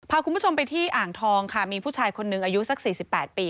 พาคุณผู้ชมไปที่อ่างทองค่ะมีผู้ชายคนหนึ่งอายุสัก๔๘ปี